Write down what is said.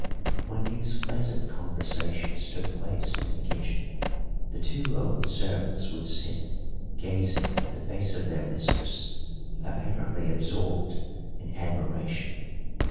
When these pleasant conversations took place in the kitchen the two old servants would sit gazing at the face of their mistress, apparently absorbed in admiration.